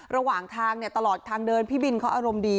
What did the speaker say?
ระหว่างทางตลอดทางเดินพี่บินเขาอารมณ์ดี